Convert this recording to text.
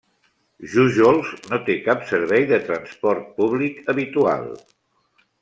Jújols no té cap servei de transport públic habitual.